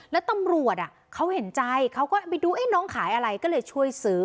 แล้วตำรวจเขาเห็นใจเขาก็ไปดูน้องขายอะไรก็เลยช่วยซื้อ